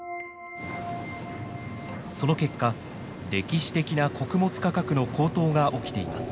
その結果歴史的な穀物価格の高騰が起きています。